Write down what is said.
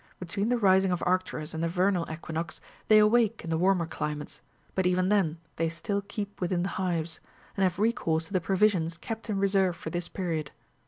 Between the rising of Arcturus and the vernal equinox, they awake in the warmer climates, but even then they still keep ^within the hives, and have recourse to the provisions kept in reserve for this period.